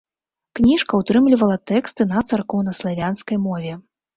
Кніжка ўтрымлівала тэксты на царкоўнаславянскай мове.